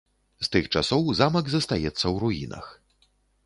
З тых часоў замак застаецца ў руінах.